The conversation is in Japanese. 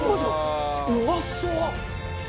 うまそう！